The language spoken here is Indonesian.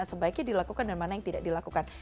sebaiknya dilakukan dan mana yang tidak dilakukan